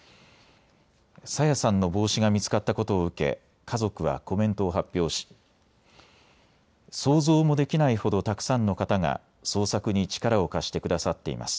朝芽さんの帽子が見つかったことを受け家族はコメントを発表し想像もできないほどたくさんの方が捜索に力を貸してくださっています。